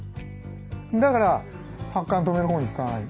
だから発汗を止めるほうに使わない。